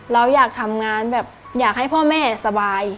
เราอยากทำงานแบบอยากให้พ่อแม่สบาย